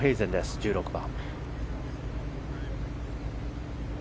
１６番。